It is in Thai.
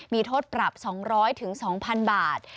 มีโทษปรับ๒๐๐๒๐๐๐บาท